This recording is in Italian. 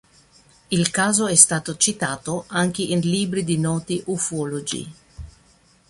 Il caso è stato citato anche in libri di noti ufologi.